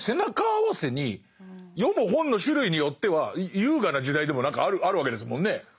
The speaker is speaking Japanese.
あわせに読む本の種類によっては優雅な時代でも何かあるわけですもんね。